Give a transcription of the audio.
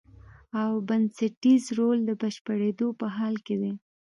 او بنسټیز ډول د بشپړېدو په حال کې دی.